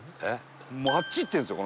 もうあっち行ってるんですよ